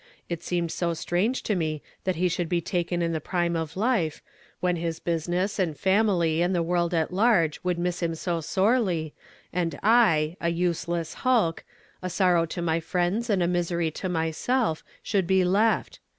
It seemed so strange to mu that he should be taken in the prime of life, '^HEJ THAT SOWETH INIQUITY M 103 when his business, and fiiniily, and the world at 3i i .; wouhl miss him so sovely, and I, a useless hi.'k, a sorrow to my friends and a misery to myKelf, should be left!